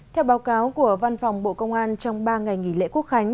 theo báo cáo của văn phòng bộ công an trong ba ngày nghỉ lễ quốc khánh